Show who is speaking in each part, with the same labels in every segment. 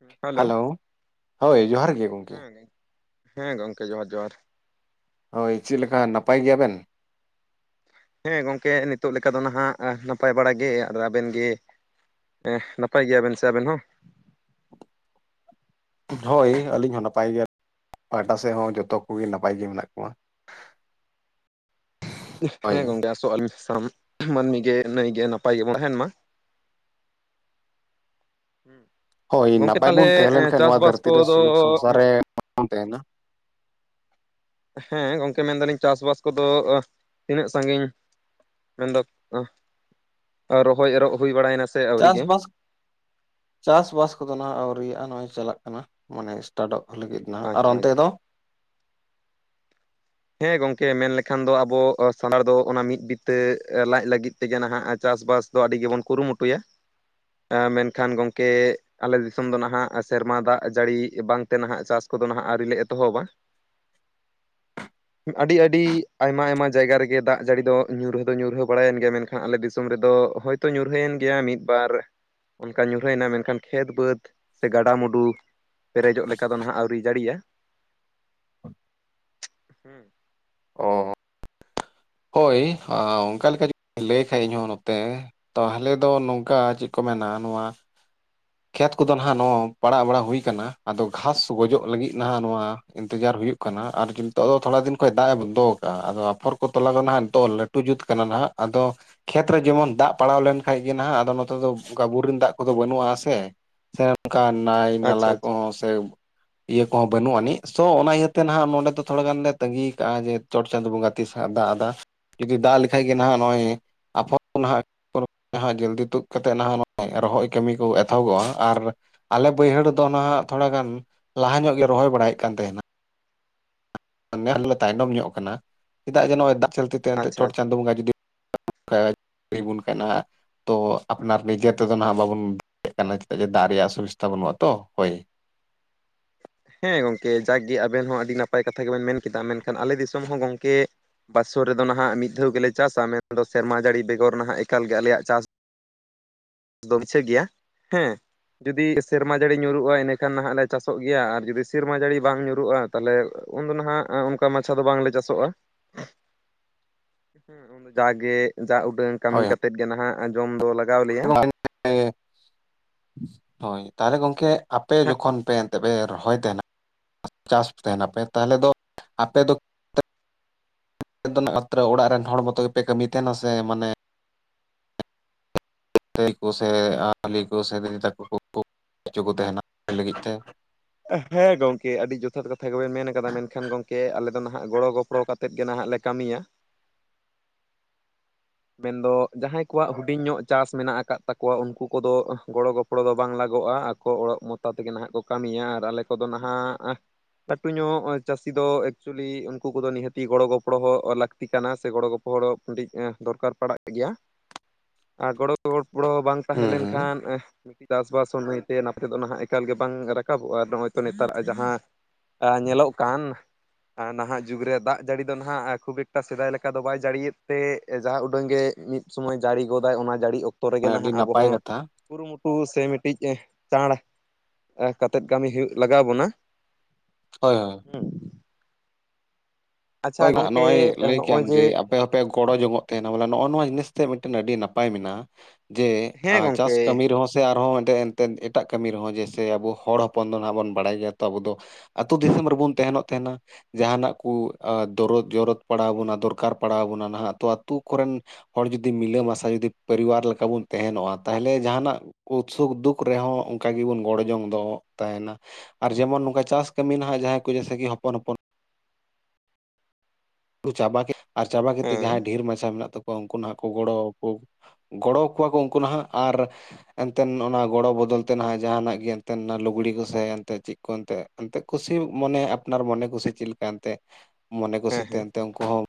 Speaker 1: Hello
Speaker 2: hello, ᱦᱳᱭ ᱡᱚᱦᱟᱨ ᱜᱮ ᱜᱩᱢᱠᱤ
Speaker 1: ᱦᱮᱸ ᱦᱮᱸ ᱜᱚᱢᱠᱮ ᱡᱚᱦᱟᱨ ᱡᱚᱦᱟᱨ
Speaker 2: ᱦᱳᱭ, ᱪᱮᱫ ᱞᱤᱠᱟ ᱱᱟᱯᱟᱭ ᱜᱮᱭᱟᱵᱮᱱ?
Speaker 1: ᱦᱮᱸ ᱜᱚᱝᱠᱮ ᱱᱤᱛᱚᱜ ᱞᱮᱠᱟ ᱫᱚ ᱱᱟᱦᱟᱜ ᱱᱟᱯᱟᱭ ᱵᱟᱲᱟ ᱜᱮ ᱟᱨ ᱟᱵᱮᱱ ᱜᱮ ᱦᱮᱸ ᱱᱟᱯᱟᱭ ᱜᱮᱭᱟᱵᱮᱱ ᱥᱮ ᱟᱵᱮᱱ ᱦᱚᱸ?
Speaker 2: ᱦᱳᱭ ᱟᱹᱞᱤᱧ ᱦᱚᱸ ᱱᱟᱯᱟᱭ ᱜᱮᱭᱟ [unintelligible] ᱯᱟᱦᱴᱟ ᱥᱮᱫ ᱦᱚᱸ ᱡᱚᱛᱚ ᱠᱚᱜᱮ ᱱᱟᱯᱟᱭ ᱜᱮ ᱢᱮᱱᱟᱜ ᱠᱚᱣᱟ᱾
Speaker 1: ᱦᱮᱸ
Speaker 2: ᱦᱳᱭ
Speaker 1: ᱜᱚᱝᱠᱮ ᱟᱥᱚᱜ ᱟᱞᱤᱧ [inaudible] ᱢᱟᱹᱱᱢᱤ ᱜᱮ ᱱᱟᱹᱭ ᱜᱮ ᱱᱟᱯᱟᱭ ᱜᱮ ᱵᱚᱱ ᱛᱟᱦᱮᱱ ᱢᱟ᱾ [unintelligible]
Speaker 2: ᱦᱳᱭ
Speaker 1: ᱜᱚᱝᱠᱮ
Speaker 2: ᱱᱟᱯᱟᱭ
Speaker 1: ᱛᱟᱦᱚᱞᱮ
Speaker 2: ᱵᱚᱱ ᱛᱮᱦᱮᱸ ᱞᱮᱱ ᱠᱷᱟᱱ ᱱᱚᱣᱟ
Speaker 1: ᱪᱟᱥᱵᱟᱥ
Speaker 2: ᱫᱷᱟᱹᱨᱛᱤ ᱨᱮ
Speaker 1: ᱠᱚᱫᱚ
Speaker 2: ᱥᱩᱞᱩᱠ ᱥᱚᱝᱥᱟᱨ ᱨᱮ ᱵᱚᱱ ᱛᱮᱦᱮᱱᱟ
Speaker 1: ᱦᱮᱸ ᱜᱚᱝᱠᱮ ᱢᱮᱱᱫᱟᱞᱤᱧ ᱪᱟᱥᱵᱟᱥ ᱠᱚᱫᱚ ᱛᱤᱱᱟᱹᱜ ᱥᱟᱺᱜᱤᱧ? ᱢᱮᱱᱫᱚ ᱨᱚᱦᱚᱭ ᱮᱨᱚᱜ ᱦᱩᱭ ᱵᱟᱲᱟᱭᱮᱱᱟ ᱥᱮ ᱟᱹᱣᱨᱤ ᱜᱮ
Speaker 2: ᱪᱟᱥᱵᱟᱥ ᱪᱟᱥᱵᱟᱥ ᱠᱚᱫᱚ ᱱᱟᱦᱟᱜ ᱟᱹᱣᱨᱤᱭᱟᱜᱼᱟ ᱱᱚᱜᱼᱚᱭ ᱪᱟᱞᱟᱜ ᱠᱟᱱᱟ ᱢᱟᱱᱮ ᱥᱴᱟᱴᱚᱜ ᱞᱟᱹᱜᱤᱫ ᱱᱟᱦᱟᱜ ᱟᱨ
Speaker 1: ᱟᱪᱪᱷᱟ
Speaker 2: ᱚᱱᱛᱮ
Speaker 1: ᱟᱪᱪᱷᱟ
Speaker 2: ᱫᱚ?
Speaker 1: ᱦᱮᱸ ᱜᱚᱢᱠᱮ ᱢᱮᱱ ᱞᱮᱠᱷᱟᱱ ᱫᱚ ᱟᱵᱚ ᱥᱟᱱᱛᱟᱲ ᱫᱚ ᱚᱱᱟ ᱢᱤᱫ ᱵᱤᱛᱟᱹ ᱞᱟᱡ ᱞᱟᱹᱜᱤᱫ ᱛᱮᱜᱮ ᱱᱟᱦᱟᱜ ᱪᱟᱥᱵᱟᱥ ᱫᱚ ᱟᱹᱰᱤ ᱜᱮᱵᱚᱱ ᱠᱩᱨᱩᱢᱩᱴᱩᱭᱟ ᱢᱮᱱᱠᱷᱟᱱ ᱜᱚᱢᱠᱮ ᱟᱞᱮ ᱫᱤᱥᱚᱢ ᱫᱚ ᱱᱟᱦᱟᱜ ᱥᱮᱨᱢᱟ ᱫᱟᱜ ᱡᱟᱹᱲᱤ ᱵᱟᱝᱛᱮ ᱱᱟᱦᱟᱜ ᱪᱟᱥ ᱠᱚᱫᱚ ᱱᱟᱦᱟᱜ ᱟᱹᱣᱨᱤᱞ ᱞᱮ ᱮᱛᱚᱦᱚᱵᱟ᱾ ᱟᱹᱰᱤ ᱟᱹᱰᱤ ᱟᱭᱢᱟ ᱟᱭᱢᱟ ᱡᱟᱭᱜᱟ ᱨᱮᱜᱮ ᱫᱟᱜ ᱡᱟᱹᱲᱤ ᱫᱚ ᱧᱩᱨᱦᱟᱹ ᱫᱚ ᱧᱩᱨᱦᱟᱹ ᱵᱟᱲᱟᱭᱮᱱ ᱜᱮᱭᱟ ᱢᱮᱱᱠᱷᱟᱱ ᱟᱞᱮ ᱫᱤᱥᱚᱢ ᱨᱮᱫᱚ ᱦᱳᱭ ᱛᱚ ᱧᱩᱨᱦᱟᱹᱭᱮᱱ ᱜᱮᱭᱟ ᱢᱤᱫ ᱵᱟᱨ ᱚᱱᱠᱟ ᱧᱩᱨᱦᱟᱹᱭᱮᱱᱟ ᱢᱮᱱᱠᱷᱟᱱ ᱠᱷᱮᱛ ᱵᱟᱹᱫᱽ ᱥᱮ ᱜᱟᱰᱟ ᱢᱩᱰᱩ ᱯᱮᱨᱮᱡᱚᱜ ᱞᱮᱠᱟ ᱫᱚ ᱱᱟᱦᱟᱜ ᱟᱹᱣᱨᱤᱭ ᱡᱟᱹᱲᱤᱭᱟ ᱦᱩᱸ
Speaker 2: ᱚ ᱦᱳᱭ ᱚᱱᱠᱟ ᱞᱮᱠᱟ [unintelligible] ᱞᱟᱹᱭ ᱠᱷᱟᱡ ᱤᱧᱦᱚᱸ ᱱᱚᱛᱮ ᱛᱟᱦᱚᱞᱮ ᱫᱚ ᱱᱚᱝᱠᱟ ᱪᱮᱫ ᱠᱚ ᱢᱮᱱᱟ ᱱᱚᱣᱟ ᱠᱷᱮᱛ ᱠᱚᱫᱚ ᱱᱟᱦᱟᱜ ᱱᱚᱣᱟ ᱯᱟᱲᱟᱣ ᱵᱟᱲᱟ ᱦᱩᱭ ᱠᱟᱱᱟ ᱟᱫᱚ ᱜᱷᱟᱥ ᱜᱚᱡᱚᱜ ᱞᱟᱹᱜᱤᱫ ᱱᱟᱦᱟᱜ ᱱᱚᱣᱟ ᱤᱱᱛᱮᱡᱟᱨ ᱦᱩᱭᱩᱜ ᱠᱟᱱᱟ ᱟᱨ ᱱᱤᱛᱚᱜ ᱫᱚ ᱛᱷᱚᱲᱟ ᱫᱤᱱ ᱠᱷᱚᱱ ᱫᱟᱜ ᱮ ᱵᱚᱱᱫᱚ ᱠᱟᱜᱼᱟ ᱟᱫᱚ ᱟᱯᱷᱚᱨ ᱠᱚ ᱛᱚᱞᱟ ᱫᱚ ᱱᱟᱦᱟᱜ ᱫᱚ ᱴᱩ ᱡᱩᱛ ᱠᱟᱱᱟ ᱱᱟᱦᱟᱜ ᱟᱫᱚ ᱠᱷᱮᱛ ᱨᱮ ᱡᱮᱢᱚᱱ ᱫᱟᱜ ᱯᱟᱲᱟᱣ ᱞᱮᱱᱠᱟᱡ ᱜᱮ ᱱᱟᱦᱟᱜ ᱟᱫᱚ ᱱᱚᱛᱮ ᱫᱚ ᱱᱚᱛᱮ ᱫᱚ ᱵᱳᱨᱤᱝ ᱫᱟᱜ ᱠᱚᱫᱚ ᱵᱟᱹᱱᱩᱜᱼᱟ ᱥᱮ ᱥᱮ ᱚᱱᱠᱟ ᱱᱟᱭ
Speaker 1: ᱟᱪᱪᱷᱟ
Speaker 2: ᱱᱟᱞᱟ
Speaker 1: ᱟᱪᱪᱷᱟ
Speaker 2: ᱠᱚᱦᱚᱸ ᱥᱮ ᱤᱭᱟᱹ ᱠᱚᱦᱚᱸ ᱵᱟᱹᱱᱩᱜ ᱟᱹᱱᱤᱡ ᱥᱚ ᱚᱱᱟ ᱤᱭᱟᱹᱛᱮ ᱱᱟᱦᱟᱜ ᱱᱚᱰᱮ ᱫᱚ ᱛᱷᱚᱲᱟ ᱜᱟᱱ ᱞᱮ ᱛᱟᱹᱟᱜᱤᱭᱠᱟᱜᱼᱟ ᱡᱮ ᱪᱚᱴ ᱪᱟᱸᱫᱳ ᱵᱚᱸᱜᱟ ᱛᱤᱥ ᱦᱟᱜ ᱫᱟᱜ ᱟᱫᱟ ᱡᱩᱫᱤ ᱫᱟᱜ ᱞᱮᱠᱷᱟᱡ ᱜᱮ ᱱᱟᱦᱟᱜ ᱱᱚᱜᱼᱚᱭ [unintelligible] ᱱᱟᱦᱟᱜ ᱨᱚᱦᱚᱭ ᱠᱟᱹᱢᱤ ᱠᱚ [unintelligible] ᱮᱛᱚᱦᱚᱵᱚᱜᱼᱟ ᱟᱨ ᱟᱞᱮ ᱵᱟᱹᱭᱦᱟᱹᱲ ᱫᱚ ᱱᱟᱦᱟᱜ ᱛᱷᱚᱲᱟ ᱜᱟᱱ ᱞᱟᱦᱟ ᱧᱚᱜ ᱜᱮ ᱨᱚᱦᱚᱭ ᱵᱟᱲᱟᱭᱮᱫ ᱠᱟᱱ ᱛᱟᱦᱮᱱᱟ᱾ [unintelligible] ᱛᱟᱭᱱᱚᱢ ᱧᱚᱜ ᱟᱠᱟᱱᱟ ᱪᱮᱫᱟᱜ ᱡᱮ ᱱᱚᱜᱼᱚᱭ ᱫᱟᱜ [unintelligible]
Speaker 1: ᱟᱪᱪᱷᱟ
Speaker 2: ᱪᱚᱴ
Speaker 1: ᱟᱪᱪᱷᱟ
Speaker 2: ᱪᱟᱸᱫᱳ ᱵᱚᱸᱜᱟ ᱡᱩᱫᱤ [unintelligible] ᱠᱟᱱᱟ ᱛᱚ ᱟᱯᱱᱟᱨ ᱱᱤᱡᱮ ᱛᱮᱫᱚ ᱱᱟᱦᱟᱜ ᱵᱟᱵᱚᱱ [unintelligible] ᱠᱟᱱᱟ ᱪᱮᱫᱟᱜ ᱡᱮ ᱫᱟᱜ ᱨᱮᱭᱟᱜ [unintelligible] ᱵᱟᱹᱱᱩᱜᱼᱟ ᱛᱚ ᱦᱳᱭ᱾
Speaker 1: ᱦᱮᱸ ᱜᱚᱢᱠᱮ ᱡᱟᱠᱜᱮ ᱟᱵᱮᱱ ᱦᱚᱸ ᱟᱹᱰᱤ ᱱᱟᱯᱟᱭ ᱠᱟᱛᱷᱟ ᱜᱮᱵᱮᱱ ᱢᱮᱱ ᱠᱮᱫᱟ ᱢᱮᱱᱠᱷᱟᱱ ᱟᱞᱮ ᱫᱤᱥᱚᱢ ᱦᱚᱸ ᱜᱚᱝᱠᱮ ᱵᱟᱥᱚ ᱨᱮᱫᱚ ᱱᱟᱦᱟᱜ ᱢᱤᱫ ᱫᱷᱟᱹᱣ ᱜᱮᱞᱮ ᱪᱟᱥᱟ ᱢᱮᱱᱫᱚ ᱥᱮᱨᱢᱟ ᱡᱟᱹᱲᱤ ᱵᱮᱜᱚᱨ ᱱᱟᱦᱟᱜ ᱮᱠᱟᱞ ᱜᱮ ᱟᱞᱮᱭᱟᱜ ᱪᱟᱥ ᱫᱚᱲᱪᱷᱟᱹ ᱜᱮᱭᱟ ᱦᱮᱸ ᱡᱩᱫᱤ ᱥᱮᱨᱢᱟ ᱡᱟᱹᱲᱤ ᱧᱩᱨᱩᱜᱼᱟ ᱮᱸᱰᱮᱠᱷᱟᱱ ᱱᱟᱦᱟᱜ ᱞᱮ ᱪᱟᱥᱚᱜ ᱜᱮᱭᱟ ᱟᱨ ᱡᱩᱫᱤ ᱥᱮᱨᱢᱟ ᱡᱟᱹᱲᱤ ᱵᱟᱝ ᱧᱩᱨᱩᱜᱼᱟ ᱛᱟᱦᱞᱮ ᱩᱱᱫᱚ ᱱᱟᱦᱟᱜ ᱚᱱᱠᱟ ᱢᱟᱪᱷᱟ ᱫᱚ ᱵᱟᱝᱞᱮ ᱪᱟᱥᱚᱜᱼᱟ᱾ ᱩᱱᱫᱚ ᱡᱟᱜᱮ ᱡᱟ ᱩᱰᱟᱹᱝ ᱠᱟᱹᱢᱤ
Speaker 2: ᱦᱳᱭ
Speaker 1: ᱠᱟᱛᱮᱫ ᱜᱮ ᱱᱟᱦᱟᱜ ᱡᱚᱢ ᱫᱚ ᱞᱟᱜᱟᱣ ᱟᱞᱮᱭᱟ᱾
Speaker 2: [unintelligible] ᱦᱳᱭ, ᱛᱟᱦᱚᱞᱮ ᱜᱚᱝᱠᱮ ᱟᱯᱮ ᱡᱚᱠᱷᱚᱱ ᱯᱮ ᱮᱱᱛᱮ ᱯᱮ ᱨᱚᱦᱚᱭ ᱛᱟᱦᱮᱱᱟ ᱪᱟᱥ ᱛᱟᱦᱮᱱᱟᱯᱮ ᱛᱟᱦᱞᱮ ᱫᱚ ᱟᱯᱮ ᱫᱚ ᱢᱟᱛᱨᱚ ᱚᱲᱟᱜ ᱨᱮᱱ ᱦᱚᱲ ᱢᱚᱛᱚ ᱜᱮᱯᱮ ᱠᱟᱹᱢᱤ ᱛᱟᱦᱮᱱᱟ ᱥᱮ ᱢᱟᱱᱮ ᱫᱟᱹᱭ ᱠᱚ ᱥᱮ ᱟᱹᱞᱤ ᱠᱚ ᱥᱮ ᱫᱤᱫᱤ ᱛᱟᱠᱚ ᱠᱚ ᱦᱚᱪᱚ ᱠᱚ ᱛᱟᱦᱮᱱᱟ ᱞᱟᱹᱜᱤᱫ ᱛᱮ
Speaker 1: ᱦᱮᱸ ᱜᱚᱝᱠᱮ ᱟᱹᱰᱤ ᱡᱚᱛᱷᱟᱛ ᱠᱟᱛᱷᱟ ᱜᱮᱵᱮᱱ ᱢᱮᱱ ᱠᱟᱫᱟ ᱢᱮᱱᱠᱷᱟᱱ ᱜᱚᱢᱠᱮ ᱟᱞᱮ ᱫᱚ ᱟᱫᱚ ᱱᱟᱦᱟᱜ ᱜᱚᱲᱚ ᱜᱚᱯᱚᱲᱚ ᱠᱟᱛᱮᱫ ᱜᱮ ᱱᱟᱦᱟᱜ ᱞᱮ ᱠᱟᱹᱢᱤᱭᱟ ᱢᱮᱱᱫᱚ ᱡᱟᱦᱟᱸᱭ ᱠᱚᱣᱟᱜ ᱦᱩᱰᱤᱧ ᱧᱚᱜ ᱪᱟᱥ ᱢᱮᱱᱟᱜ ᱟᱠᱟᱫ ᱛᱟᱠᱚᱣᱟ ᱩᱱᱠᱩ ᱠᱚᱫᱚ ᱜᱚᱲᱚ ᱜᱚᱯᱚ ᱜᱚᱲᱚ ᱫᱚ ᱵᱟᱝ ᱞᱟᱜᱚᱜᱼᱟ ᱟᱠᱚ ᱚᱲᱚᱜ ᱢᱚᱛᱟ ᱛᱮᱜᱮ ᱱᱟᱦᱟᱜ ᱠᱚ ᱠᱟᱹᱢᱤᱭᱟ ᱟᱨ ᱟᱞᱮ ᱠᱚᱫᱚ ᱱᱟᱦᱟᱜ ᱞᱟᱹᱴᱩ ᱧᱚᱜ ᱪᱟᱹᱥᱤ ᱫᱚ ᱮᱠᱪᱩᱭᱮᱞᱤ ᱩᱱᱠᱩ ᱠᱚᱫᱚ ᱱᱤᱦᱟᱹᱛᱤ ᱜᱚᱲᱚ ᱜᱚᱯᱚᱲᱚ ᱞᱟᱠ ᱛᱤ ᱠᱟᱱᱟ ᱥᱮ ᱜᱚᱲᱚ ᱜᱚᱯᱚᱦᱚᱲ ᱢᱤᱫᱴᱤᱡ ᱫᱚᱨᱠᱟᱨ ᱯᱟᱲᱟᱜ ᱜᱮᱭᱟ ᱟᱨ ᱜᱚᱲᱚ ᱜᱚᱯᱚᱲᱚ ᱵᱟᱝ ᱛᱟᱦᱮᱸ
Speaker 2: ᱦᱩᱸ
Speaker 1: ᱞᱮᱱᱠᱷᱟᱱ
Speaker 2: ᱦᱩᱸ
Speaker 1: ᱪᱟᱥᱵᱟᱥ ᱥᱚᱢᱚᱭ ᱛᱮ ᱱᱟᱛᱮ ᱫᱚ ᱱᱟᱦᱟᱜ ᱮᱠᱟᱞ ᱜᱮ ᱵᱟᱝ ᱨᱟᱠᱟᱵᱚᱜᱼᱟ ᱱᱚᱜᱼᱚᱭ ᱛᱚ ᱱᱮᱛᱟᱨᱟᱜ ᱡᱟᱦᱟᱸ ᱧᱮᱞᱚᱜ ᱠᱟᱱ ᱱᱟᱦᱟᱜ ᱡᱩᱜᱽ ᱨᱮ ᱫᱟᱜ ᱡᱟᱹᱲᱤ ᱫᱚ ᱱᱟᱦᱟᱜ ᱠᱷᱩᱵ ᱮᱠᱴᱟ ᱥᱮᱫᱟᱭ ᱞᱮᱠᱟ ᱫᱚ ᱵᱟᱭ ᱡᱟᱹᱲᱤᱭᱮᱫ ᱛᱮ ᱮᱸ ᱡᱟᱸᱦᱟ ᱩᱰᱟᱹᱝ ᱜᱮ ᱢᱤᱫ ᱥᱚᱢᱚᱭ ᱡᱟᱹᱲᱤ ᱜᱚᱫᱟᱭ ᱚᱱᱟ ᱡᱟᱹᱲᱤ ᱚᱠᱛᱚ ᱨᱮᱜᱮ
Speaker 2: ᱟᱹᱰᱤ
Speaker 1: ᱱᱟᱦᱟᱜ ᱟᱵᱚ
Speaker 2: ᱱᱟᱯᱟᱭ
Speaker 1: ᱦᱚᱸ
Speaker 2: ᱠᱟᱛᱷᱟ
Speaker 1: ᱠᱩᱨᱩᱢᱩᱴᱩ ᱥᱮ ᱢᱤᱫᱴᱤᱡ ᱜᱮ ᱪᱟᱸᱬ ᱠᱟᱛᱮᱫ ᱠᱟᱹᱢᱤ ᱦᱩᱭᱩᱜ ᱞᱟᱜᱟᱣ ᱵᱚᱱᱟ,
Speaker 2: ᱦᱳᱭ ᱦᱳᱭ,
Speaker 1: [unintelligible] ᱟᱪᱪᱷᱟ
Speaker 2: ᱦᱳᱭ ᱦᱟᱜ
Speaker 1: ᱜᱚᱝᱠᱮ
Speaker 2: ᱱᱚᱜᱼᱚᱭ ᱞᱟᱹᱭ ᱠᱮᱜ-ᱟᱢ ᱡᱮ ᱟᱯᱮ ᱦᱚ ᱯᱮ ᱜᱚᱲᱚ ᱡᱚᱝᱚᱜ ᱛᱟᱦᱮᱱᱟ ᱵᱚᱞᱮ ᱱᱚᱜᱼᱚ ᱱᱚᱣᱟ ᱡᱤᱱᱤᱥ ᱛᱮ ᱢᱤᱫᱴᱮᱱ ᱟᱹᱰᱤ ᱱᱟᱯᱟᱭ ᱢᱮᱱᱟᱜᱼᱟ, ᱡᱮ
Speaker 1: ᱦᱮᱸ
Speaker 2: ᱟ ᱪᱟᱥ
Speaker 1: ᱜᱚᱝᱠᱮ
Speaker 2: ᱠᱟᱹᱢᱤ ᱨᱮᱦᱚᱸ ᱥᱮ ᱟᱨᱦᱚᱸ ᱢᱮᱢᱛᱮ ᱮᱱᱛᱮᱱ ᱮᱴᱟᱜ ᱠᱟᱹᱢᱤ ᱨᱮᱦᱚᱸ ᱡᱮᱭᱥᱮ ᱟᱵᱚ ᱦᱚᱲ ᱦᱚᱯᱚᱱ ᱫᱚ ᱱᱟᱦᱟᱜ ᱵᱚᱱ ᱵᱟᱲᱟᱭ ᱜᱮᱭᱟ ᱛᱚ ᱟᱵᱚ ᱫᱚ ᱟᱹᱛᱩ ᱫᱤᱥᱚᱢ ᱨᱮᱵᱚᱱ ᱛᱟᱦᱮᱱᱚᱜ ᱛᱟᱦᱮᱱᱟ ᱡᱟᱦᱟᱱᱟᱜ ᱠᱩ ᱟ ᱫᱚᱨᱚᱫ ᱡᱚᱨᱚᱛ ᱯᱟᱲᱟᱣ ᱵᱚᱱᱟ ᱫᱚᱨᱠᱟᱨ ᱯᱟᱲᱟᱣ ᱵᱚᱱᱟ ᱱᱟᱦᱟᱜ ᱛᱚ ᱟᱛᱩ ᱠᱚᱨᱮᱱ, ᱦᱚᱲ ᱡᱩᱫᱤ ᱢᱤᱞᱟᱹᱢᱟᱥᱟ ᱡᱩᱫᱤ ᱯᱚᱨᱤᱵᱟᱨ ᱞᱮᱠᱟ ᱵᱚᱱ ᱛᱟᱦᱮᱱᱚᱜᱼᱟ, ᱛᱟᱦᱚᱞᱮ ᱡᱟᱦᱟᱱᱟᱜ ᱠᱩᱛ ᱥᱩᱠ ᱫᱩᱠ ᱨᱮᱦᱚᱸ ᱚᱱᱠᱟ ᱜᱮᱵᱚᱱ ᱜᱚᱲᱚ ᱡᱚᱝ ᱫᱚ ᱛᱟᱦᱮᱱᱟ, ᱟᱨ ᱡᱮᱢᱚᱱ ᱱᱚᱝᱠᱟ ᱪᱟᱥ ᱠᱟᱹᱢᱤ ᱱᱟᱦᱟᱜ ᱡᱟᱦᱟᱸᱭ ᱠᱚ ᱡᱮᱭᱥᱮ ᱠᱤ ᱦᱚᱯᱚᱱ ᱦᱚᱯᱚᱱ ᱪᱟᱵᱟ ᱠᱮᱫ ᱟᱨ ᱪᱟᱵᱟ ᱠᱟᱛᱮᱫ ᱡᱟᱦᱟᱸᱭ
Speaker 1: ᱦᱮᱸ
Speaker 2: ᱰᱷᱮᱨ ᱢᱟᱪᱷᱟ ᱢᱮᱱᱟᱜ ᱛᱟᱠᱚᱣᱟ ᱩᱱᱠᱩ ᱱᱟᱦᱟᱸᱜ ᱠᱚ ᱜᱚᱲᱚ ᱟᱠᱚ᱾ ᱜᱚᱲᱚ ᱟᱠᱚᱣᱟ ᱠᱚ ᱩᱱᱠᱩ ᱱᱟᱦᱟᱜ ᱟᱨ ᱮᱱᱛᱮᱱ ᱚᱱᱟ ᱜᱚᱲᱚ ᱵᱚᱫᱚᱞ ᱛᱮ ᱱᱟᱦᱟᱜ ᱡᱟᱦᱟᱱᱟᱜ ᱜᱮ ᱮᱱᱛᱮᱱ ᱚᱱᱟ ᱞᱩᱜᱽᱲᱤ ᱠᱚ ᱥᱮ ᱮᱱᱛᱮᱫ ᱪᱮᱫ ᱠᱚ ᱮᱱᱛᱮ ᱮᱱᱛᱮᱫ ᱠᱩᱥᱤ ᱢᱚᱱᱮ ᱟᱯᱱᱟᱨ ᱢᱚᱱᱮ ᱠᱩᱥᱤ ᱪᱮᱫ ᱞᱮᱠᱟ ᱮᱱᱛᱮ ᱢᱚᱱᱮ
Speaker 1: ᱦᱮᱸ
Speaker 2: ᱠᱩᱥᱤᱛᱮ
Speaker 1: ᱦᱮᱸ
Speaker 2: ᱮᱱᱛᱮ ᱩᱱᱠᱩ ᱦᱚᱸ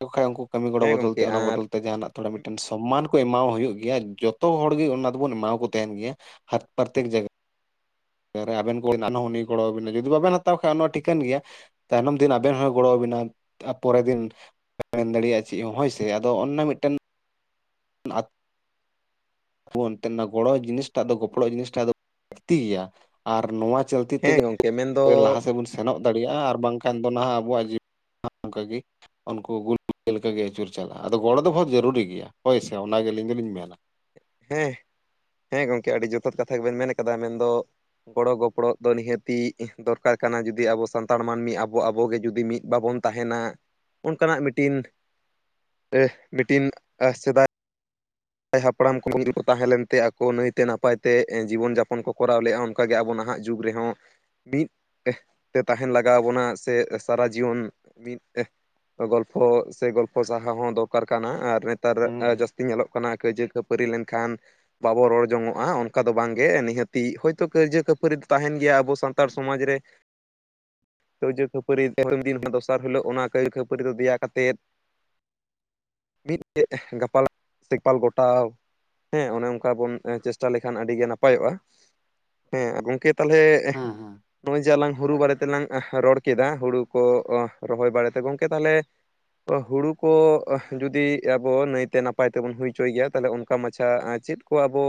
Speaker 2: ᱠᱚ ᱠᱷᱟᱡ ᱩᱱᱠᱩ ᱠᱟᱹᱢᱤ ᱜᱚᱲᱚ
Speaker 1: ᱦᱮᱸ
Speaker 2: ᱵᱚᱫᱚᱞᱛᱮ
Speaker 1: ᱜᱚᱝᱠᱮ
Speaker 2: ᱚᱱᱟ
Speaker 1: ᱟᱨ
Speaker 2: ᱵᱚᱫᱚᱞ ᱛᱮ, ᱛᱮ ᱡᱟᱦᱟᱱᱟᱜ ᱛᱷᱚᱲᱟ ᱢᱤᱫᱴᱮᱱ ᱥᱚᱢᱢᱟᱱ ᱠᱚ ᱮᱢᱟᱣ ᱦᱩᱭᱩᱜ ᱜᱮᱭᱟ ᱡᱚᱛᱚ ᱦᱚᱲ ᱜᱮ ᱚᱱᱟ ᱫᱚᱵᱚᱱ ᱮᱢᱟᱣᱟ ᱠᱚ ᱛᱟᱦᱮᱱ ᱜᱮᱭᱟ ᱾ [unintelligible] ᱟᱵᱮᱱ ᱠᱚ [unintelligible] ᱜᱚᱲᱚᱣᱟᱵᱤᱱᱟ ᱡᱩᱫᱤ ᱵᱟᱵᱮᱱ ᱦᱟᱛᱟᱣ ᱠᱷᱟᱡ ᱚᱱᱟ ᱦᱚᱸ ᱴᱷᱤᱠᱟᱹᱱ ᱜᱮᱭᱟ᱾ ᱛᱟᱭᱱᱚᱢ ᱫᱤᱱ ᱟᱵᱮᱱ ᱦᱚᱸᱭ ᱜᱚᱲᱚᱣᱟᱵᱮᱱᱟ ᱛᱟᱨᱯᱚᱨᱮᱨ ᱫᱤᱱ ᱵᱟᱭ ᱢᱮᱱ ᱫᱟᱲᱮᱭᱟᱜᱼᱟ ᱪᱮᱫ ᱦᱚᱸ ᱦᱳᱭ ᱥᱮ ᱟᱫᱚ ᱚᱱ-ᱱᱟ ᱢᱤᱫᱴᱮᱱ ᱱᱟᱛ ᱮᱱᱛᱮ ᱜᱚᱲᱚ ᱡᱤᱱᱤᱥ ᱴᱟᱜ ᱫᱚ ᱜᱚᱯᱚᱲᱚ ᱡᱤᱱᱤᱥᱴᱟᱜ ᱫᱚ ᱞᱟᱹᱠᱛᱤ ᱜᱮᱭᱟ ᱟᱨ ᱱᱚᱣᱟ ᱪᱚᱞᱛᱤ ᱛᱮᱜᱮ
Speaker 1: ᱦᱮᱸ ᱜᱚᱝᱠᱮ ᱢᱮᱱᱫᱚ
Speaker 2: ᱞᱟᱦᱟ ᱥᱮᱫ ᱵᱚᱱ ᱥᱮᱱᱚᱜ ᱫᱟᱲᱮᱭᱟᱜᱼᱟ ᱟᱨ ᱵᱟᱝᱠᱷᱟᱱ ᱫᱚ ᱱᱟᱦᱟᱜ ᱟᱵᱚᱣᱟᱜ ᱡᱤᱭᱚᱱ ᱚᱱᱠᱟᱜ ᱜᱮ ᱩᱱᱠᱩ ᱜᱩᱞ ᱞᱮᱠᱟᱜᱮ ᱟᱹᱪᱩᱨ ᱪᱟᱞᱟᱜᱼᱟ ᱟᱫᱚ ᱜᱚᱲᱚ ᱫᱚ ᱵᱚᱦᱩᱛ ᱡᱟᱹᱨᱩᱨᱤ ᱜᱮᱭᱟ ᱾ ᱦᱳᱭ ᱥᱮ ᱚᱱᱟᱜᱮ ᱟᱹᱞᱤᱧ ᱫᱚᱞᱤᱧ ᱢᱮᱱᱟ᱾
Speaker 1: ᱦᱮᱸ ᱦᱮᱸ ᱜᱚᱢᱠᱮ ᱟᱹᱰᱤ ᱡᱚᱛᱷᱟᱛ ᱠᱟᱛᱷᱟ ᱜᱮᱵᱮᱱ ᱢᱮᱱ ᱠᱟᱫᱟ ᱢᱮᱱᱫᱚ ᱜᱚᱲᱚ ᱜᱚᱯᱚᱲᱚ ᱫᱚ ᱱᱤᱦᱟᱹᱛᱤ ᱫᱚᱨᱠᱟᱨ ᱠᱟᱱᱟ ᱡᱩᱫᱤ ᱟᱵᱚ ᱥᱟᱱᱛᱟᱲ ᱢᱟᱹᱱᱢᱤ ᱟᱵᱚ ᱟᱵᱚᱜᱮ ᱡᱩᱫᱤ ᱢᱤᱫ ᱵᱟᱵᱚᱱ ᱛᱟᱦᱮᱱᱟ ᱚᱱᱠᱟᱱᱟᱜ ᱢᱤᱫᱴᱤᱱ ᱢᱤᱫᱴᱤᱱ ᱥᱮᱫᱟᱭ ᱦᱟᱯᱲᱟᱢ ᱠᱚ [unintelligible] ᱛᱟᱦᱮᱸ ᱞᱮᱱᱛᱮ ᱟᱠᱚ ᱱᱟᱭᱛᱮ ᱱᱟᱯᱟᱭ ᱛᱮ ᱡᱤᱵᱚᱱ ᱡᱟᱯᱚᱱ ᱠᱚ ᱠᱚᱨᱟᱣ ᱞᱮᱫᱼᱟ ᱾ ᱚᱱᱠᱟᱜ ᱜᱮ ᱟᱵᱚ ᱱᱟᱦᱟᱜ ᱡᱩᱜᱽ ᱨᱮᱦᱚᱸ ᱢᱤᱫ ᱛᱮ ᱛᱟᱦᱮᱱ ᱞᱟᱜᱟᱣ ᱵᱚᱱᱟ ᱥᱮ ᱥᱟᱨᱟ ᱡᱤᱭᱚᱱ ᱢᱤᱫᱛᱮ ᱜᱚᱞᱯᱷᱚ ᱥᱮ ᱜᱚᱞᱯᱷᱚ ᱥᱟᱦᱟᱣ ᱦᱚᱸ ᱫᱚᱨᱠᱟᱨ ᱠᱟᱱᱟ ᱟᱨ ᱱᱮᱛᱟᱨ
Speaker 2: ᱦᱩᱸ ᱦᱩᱸ
Speaker 1: ᱡᱟᱹᱥᱛᱤ ᱧᱮᱞᱚᱜ ᱠᱟᱱᱟ ᱠᱟᱱᱟ ᱠᱟᱹᱭᱡᱟᱹ ᱠᱷᱟᱹᱯᱟᱹᱨᱤ ᱞᱮᱱᱠᱷᱟᱱ ᱵᱟᱵᱚ ᱨᱚᱲ ᱡᱚᱝᱚᱜᱼᱟ ᱚᱱᱠᱟ ᱫᱚ ᱵᱟᱝᱜᱮ ᱱᱤᱦᱟᱹᱛᱤ ᱦᱚᱭᱛᱳ ᱠᱟᱹᱭᱡᱟᱹ ᱠᱷᱟᱹᱯᱟᱹᱨᱤ ᱫᱚ ᱛᱟᱦᱮᱱ ᱜᱮᱭᱟ ᱟᱵᱚ ᱥᱟᱱᱛᱟᱲ ᱥᱚᱢᱟᱡᱽ ᱨᱮ᱾ [inaudible] ᱠᱟᱹᱭᱡᱟᱹ ᱠᱷᱟᱹᱯᱟᱹᱨᱤ [unintelligible] ᱫᱤᱱ ᱫᱚᱥᱟᱨ ᱦᱤᱞᱳᱜ ᱚᱱᱟ ᱠᱟᱹᱭᱡᱟᱹ ᱠᱷᱟᱹᱯᱟᱹᱨᱤ ᱫᱚ ᱫᱮᱭᱟ ᱠᱟᱛᱮᱫ ᱢᱤᱫ [unintelligible] ᱜᱟᱯᱟᱞ ᱥᱮᱯᱟᱞ ᱜᱚᱴᱟᱣ ᱦᱮᱸ ᱚᱱᱮ ᱚᱱᱠᱟ ᱵᱚᱱ ᱪᱮᱥᱴᱟ ᱞᱮᱠᱷᱟᱱ ᱟᱹᱰᱤᱜᱮ ᱱᱟᱯᱟᱭᱚᱜᱼᱟ᱾ ᱦᱮᱸ ᱜᱚᱝᱠᱮ ᱛᱟᱦᱚᱞᱮ
Speaker 2: ᱦᱮᱸ ᱦᱮᱸ
Speaker 1: ᱱᱚᱜᱼᱚᱭ ᱡᱮ ᱟᱞᱟᱝ ᱦᱩᱨᱩ ᱵᱟᱨᱮᱛᱮ ᱛᱮᱞᱟᱝ ᱨᱚᱲ ᱠᱮᱫᱟ ᱦᱩᱲᱩ ᱠᱚ ᱨᱚᱦᱚᱭ ᱵᱟᱲᱮᱛᱮ ᱜᱚᱢᱠᱮ ᱛᱟᱦᱚᱞᱮ ᱛᱚ ᱦᱩᱲᱩ ᱠᱚ ᱡᱩᱫᱤ ᱟᱵᱚ ᱱᱟᱹᱭᱛᱮ ᱱᱟ ᱱᱟᱯᱟᱭ ᱛᱮᱵᱚᱱ ᱦᱩᱭ ᱦᱚᱪᱚᱭ ᱜᱮᱭᱟ ᱛᱟᱦᱚᱞᱮ ᱚᱱᱠᱟ ᱢᱟᱪᱷᱟ ᱪᱮᱫ ᱠᱚ ᱟᱵᱚ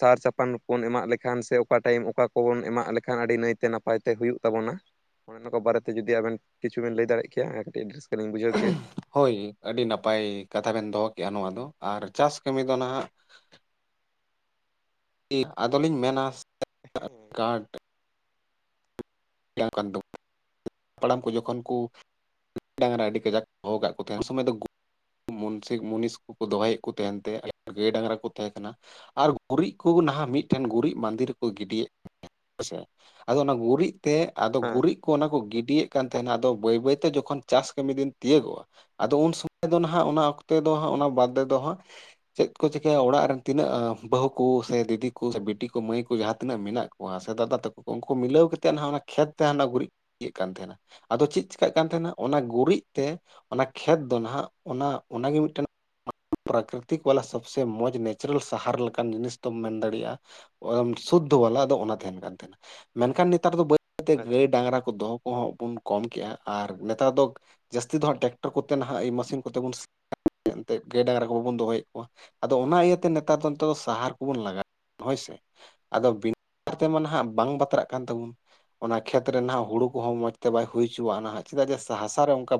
Speaker 1: ᱥᱟᱨ ᱪᱟᱯᱟᱱ ᱵᱚᱱ ᱮᱢᱟᱜ ᱞᱮᱠᱷᱟᱱ ᱥᱮ ᱚᱠᱟ ᱴᱟᱭᱤᱢ ᱚᱠᱟ ᱠᱚᱵᱚᱱ ᱮᱢᱟᱜ ᱞᱮᱠᱷᱟᱱ ᱟᱹᱰᱤ ᱱᱟᱹᱭᱛ ᱛᱮ ᱱᱟᱯᱟᱭ ᱛᱮ ᱦᱩᱭᱩᱜ ᱛᱟᱵᱚᱱᱟ ᱚᱱᱮ ᱚᱱᱟ ᱠᱚ ᱵᱟᱨᱮᱛᱮ ᱡᱩᱫᱤ ᱟᱵᱮᱱ ᱠᱤᱪᱷᱩ ᱵᱮᱱ ᱞᱟᱹᱭ ᱫᱟᱲᱮᱜ ᱠᱮᱭᱟ ᱟᱨ ᱟᱹᱰᱤ ᱨᱟᱹᱥᱠᱟᱹ ᱞᱤᱧ ᱵᱩᱡᱷᱟᱹᱣ ᱠᱮᱭᱟ᱾
Speaker 2: ᱦᱳᱭ ᱟᱹᱰᱤ ᱱᱟᱯᱟᱭ ᱠᱟᱛᱷᱟ ᱵᱮᱱ ᱫᱚᱦᱚ ᱠᱮᱜᱼᱟ ᱱᱚᱣᱟ ᱫᱚ ᱟᱨ ᱪᱟᱥ ᱠᱟᱹᱢᱤ ᱫᱚ ᱱᱟᱜᱷ ᱟᱫᱚᱞᱤᱧ ᱢᱮᱱᱟ
Speaker 1: ᱦᱮᱸ
Speaker 2: [unintelligible] ᱠᱟᱨᱰ [unintelligible] ᱦᱟᱯᱲᱟᱢ ᱠᱚ ᱡᱚᱠᱷᱚᱱ ᱠᱩ ᱰᱟᱝᱨᱟ ᱟᱹᱰᱤ ᱠᱟᱡᱟᱠ ᱦᱚᱦᱚ ᱠᱟᱜ ᱠᱚ ᱛᱟᱦᱮᱱ ᱩᱱ ᱥᱚᱢᱚᱭ ᱫᱚ ᱢᱩᱱᱥᱤᱠ ᱢᱩᱱᱤᱥ ᱠᱚᱠᱚ ᱫᱚᱦᱚᱭᱮᱫ ᱠᱚ ᱛᱟᱸᱦᱮᱱ ᱛᱮ ᱜᱟᱹᱭ ᱰᱟᱝᱨᱟ ᱠᱚ ᱛᱟᱦᱮᱸ ᱠᱟᱱᱟ᱾ ᱟᱨ ᱜᱩᱨᱤᱡ ᱠᱚ ᱱᱟᱦᱟᱜ ᱢᱤᱫᱴᱮᱱ ᱜᱩᱨᱤᱡ ᱵᱟᱸᱫᱮ ᱨᱮᱠᱚ ᱜᱤᱰᱤᱭᱮᱫ ᱦᱮᱸᱥᱮ ᱟᱫᱚ ᱚᱱᱟ ᱜᱩᱨᱤᱡ ᱛᱮ ᱟᱫᱚ
Speaker 1: ᱦᱮᱸ
Speaker 2: ᱜᱩᱨᱤᱡ ᱠᱚ ᱚᱱᱟ ᱠᱚ ᱜᱤ ᱰᱤᱭᱮᱫ ᱠᱟᱱ ᱛᱟᱦᱮᱱᱟ ᱟᱫᱚ ᱵᱟᱹᱭ ᱵᱟᱹᱭᱛᱮ ᱡᱚᱠᱷᱚᱱ ᱪᱟᱥ ᱠᱟᱹᱢᱤ ᱫᱤᱱ ᱛᱤᱭᱟᱹᱜᱚᱜᱼᱟ ᱟᱫᱚ ᱩᱱ ᱥᱚᱢᱚᱭ ᱫᱚ ᱱᱟᱸᱜᱷ ᱚᱱᱟ ᱚᱠᱛᱮ ᱫᱚ ᱚᱱᱟ ᱵᱟᱫ ᱨᱮᱚ ᱦᱟᱸᱜ ᱪᱮᱫ ᱠᱚ ᱪᱤᱠᱟᱹᱭᱟ? ᱚᱲᱟᱜ ᱨᱮᱱ ᱛᱤᱱᱟᱹᱜ ᱵᱟᱹᱦᱩ ᱠᱚ ᱥᱮ ᱫᱤᱫᱤ ᱠᱚ ᱥᱮ ᱵᱤᱴᱤ ᱠᱚ ᱢᱟᱹᱭ ᱠᱚ ᱡᱟᱦᱟᱸ ᱛᱤᱱᱟᱹᱜ ᱢᱮᱱᱟᱜ ᱠᱚ ᱥᱮ ᱫᱟᱫᱟ ᱛᱟᱠᱚ ᱠᱚ ᱩᱱᱠᱩ ᱢᱤᱞᱟᱹᱣ ᱠᱟᱛᱮᱫ ᱱᱟᱦᱟᱜ ᱚᱱᱟ ᱠᱷᱮᱛ ᱛᱮ ᱚᱱᱟ ᱜᱩᱨᱤᱡ ᱤᱭᱟᱹᱜ ᱠᱟᱱ ᱛᱟᱹᱦᱮᱱᱟ ᱟᱫᱚ ᱪᱮᱫ ᱪᱤᱠᱟᱹᱜ ᱠᱟᱱ ᱛᱟᱸᱦᱮᱱᱟ ᱚᱱᱟ ᱜᱩᱨᱤᱡ ᱛᱮ ᱚᱱᱟ ᱠᱷᱮᱛ ᱫᱚ ᱱᱟᱦᱟᱜ ᱚᱱᱟ ᱚᱱᱟᱜᱮ ᱢᱤᱫᱴᱮᱱ ᱯᱨᱟᱠᱨᱤᱛᱤᱠ ᱵᱟᱞᱟ ᱥᱚᱵᱽᱥᱮ ᱢᱚᱸᱡᱽ ᱱᱮᱪᱟᱨᱮᱞ ᱥᱟᱦᱟᱨ ᱞᱮᱠᱟᱱ ᱡᱤᱱᱤᱥ ᱫᱚᱢ ᱢᱮᱱ ᱫᱟᱲᱮᱭᱟᱜᱼᱟ᱾ ᱥᱩᱫᱽᱫᱷᱚ ᱵᱟᱞᱟ ᱟᱫᱚ ᱚᱱᱟ ᱛᱟᱸᱦᱮᱱ ᱠᱟᱱ ᱛᱟᱸᱦᱮᱱᱟ ᱢᱮᱱᱠᱷᱟᱱ ᱱᱮᱛᱟᱨ ᱫᱚ ᱵᱟᱹᱭ ᱵᱟᱹᱭ ᱛᱮ ᱜᱟᱹᱭ
Speaker 1: ᱟᱪᱪᱷᱟ ᱟᱪᱪᱷᱟ
Speaker 2: ᱰᱟᱝᱨᱟ ᱠᱚ ᱫᱚᱦᱚ ᱠᱚᱦᱚᱸ ᱵᱚᱱ ᱠᱚᱢ ᱠᱮᱜᱼᱟ ᱟᱨ ᱱᱮᱛᱟᱨ ᱫᱚ ᱡᱟᱹᱥᱛᱤ ᱫᱚ ᱦᱟᱸᱟᱜ ᱴᱮᱠᱴᱚᱨ ᱠᱚᱛᱮ ᱱᱟᱦᱟᱜ ᱢᱮᱥᱤᱱ ᱠᱚᱛᱮ ᱵᱚᱱ ᱥᱤ ᱮᱱᱛᱮᱫ ᱜᱟᱹᱭ ᱰᱟᱝᱨᱟ ᱠᱚ ᱵᱟᱵᱚᱱ ᱫᱚᱦᱚᱭᱮᱫ ᱠᱚᱣᱟ ᱟᱫᱚ ᱚᱱᱟ ᱤᱭᱟᱹᱛᱮ ᱱᱮᱛᱟᱨ ᱫᱚ ᱥᱟᱦᱟᱨ ᱠᱚᱵᱚᱱ ᱞᱟᱜᱟᱣ ᱦᱳᱭ ᱥᱮ᱾ ᱟᱫᱚ ᱵᱤᱱᱟ ᱛᱮᱢᱟ ᱱᱟᱦᱟᱜ ᱵᱟᱝ ᱵᱟᱛᱨᱟᱜ ᱠᱟᱱ ᱛᱟᱵᱚᱱ ᱚᱱᱟ ᱠᱷᱮᱛ ᱨᱮᱱᱟᱜ ᱦᱩᱲᱩ ᱠᱚᱦᱚᱸ ᱢᱚᱡᱽ ᱛᱮ ᱵᱟᱭ ᱦᱩᱭ ᱦᱚᱪᱚᱣᱟᱜᱼᱟ ᱱᱟᱜᱷ ᱪᱮᱫᱟᱜ ᱡᱮ ᱦᱟᱸᱥᱟ ᱨᱮ ᱚᱱᱠᱟ